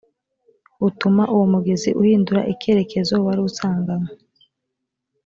utuma uwo mugezi uhindura ikerekezo wari usanganywe